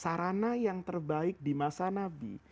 sarana yang terbaik di masa nabi